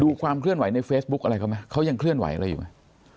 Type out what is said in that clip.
ความเคลื่อนไหวในเฟซบุ๊คอะไรเขาไหมเขายังเคลื่อนไหวอะไรอยู่ไหม